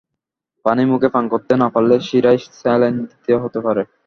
পানি মুখে পান করতে না পারলে শিরায় স্যালাইন দিতে হতে পারে।